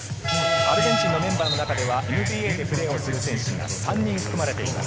アルゼンチンのメンバーの中ではＮＢＡでプレーをする選手が３人含まれています。